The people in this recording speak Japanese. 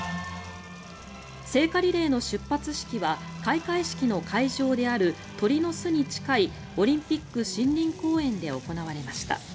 聖火リレーの出発式は開会式の会場である鳥の巣に近いオリンピック森林公園で行われました。